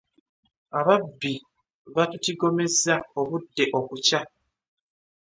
Ababbi batutigomezza obudde okukya.